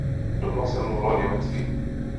Doma se mluvilo německy.